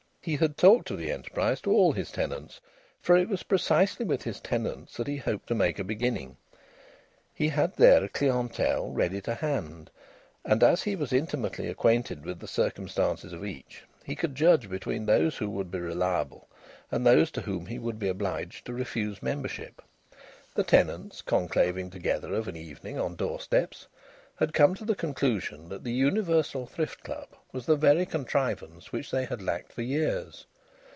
He had talked of the enterprise to all his tenants, for it was precisely with his tenants that he hoped to make a beginning. He had there a clientèle ready to his hand, and as he was intimately acquainted with the circumstances of each, he could judge between those who would be reliable and those to whom he would be obliged to refuse membership. The tenants, conclaving together of an evening on doorsteps, had come to the conclusion that the Universal Thrift Club was the very contrivance which they had lacked for years.